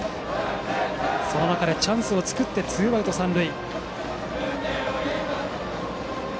その中で、チャンスを作ってツーアウト、三塁。